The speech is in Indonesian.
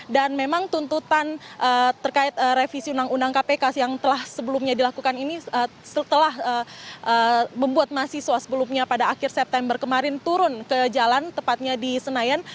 dan memang tuntutan terkait revisi undang undang kpk yang telah sebelumnya dilakukan ini setelah membuat mahasiswa sebelumnya pada akhir september kemarin turun ke jalan tepatnya di senayan